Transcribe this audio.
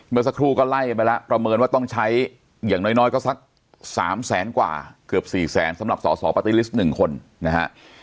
เมื่อสักครู่ก็ไล่ไปแล้วประเมินว่าต้องใช้อย่างน้อยก็สัก๓แสนกว่าเกือบ๔แสนสำหรับสอสอปาร์ตี้ลิสต์๑คนนะฮะ